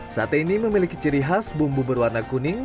sate ini memiliki ciri khas bumbu berwarna kuning